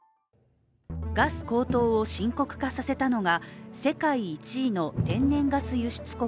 ガス高騰を深刻化させたのが世界１位の天然ガス輸出国